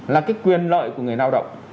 là cái quyền lợi của người lao động